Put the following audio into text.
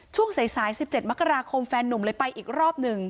ช่วงสาย๑๗มกราคมแฟนนุ่มเลยไปอีกรอบหนึ่ง